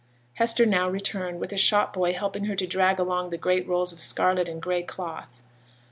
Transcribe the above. Hester now returned, with a shop boy helping her to drag along the great rolls of scarlet and gray cloth.